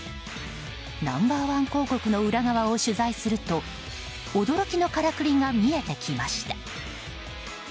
ナンバー１広告の裏側を取材すると驚きのからくりが見えてきました。